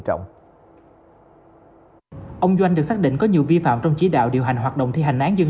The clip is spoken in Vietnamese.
trọng ông doanh được xác định có nhiều vi phạm trong chỉ đạo điều hành hoạt động thi hành án dân